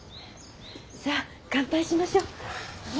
さあ乾杯しましょう。